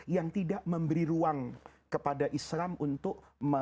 yang tidak memberi ruang kepada islam untuk